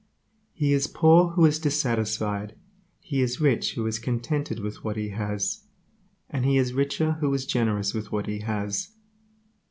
He is poor who is dissatisfied; he is rich who is contented with what he has, and he is richer who is generous with what he has.